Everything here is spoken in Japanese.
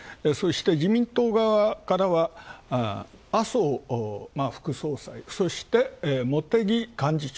自民党からは麻生副総裁そして、茂木幹事長。